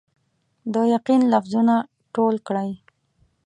د یقین لفظونه ټول کړئ